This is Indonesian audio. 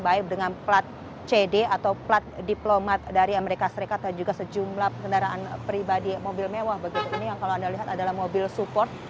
baik dengan plat cd atau plat diplomat dari amerika serikat dan juga sejumlah kendaraan pribadi mobil mewah begitu ini yang kalau anda lihat adalah mobil support